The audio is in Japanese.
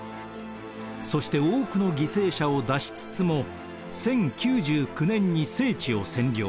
そして多くの犠牲者を出しつつも１０９９年に聖地を占領。